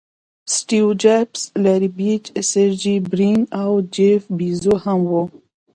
سټیو جابز، لاري پیج، سرجي برین او جیف بیزوز هم وو.